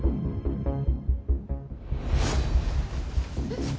えっ？